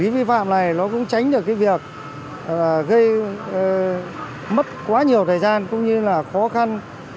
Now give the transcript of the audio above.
vi phạm này nó cũng tránh được cái việc gây mất quá nhiều thời gian cũng như là khó khăn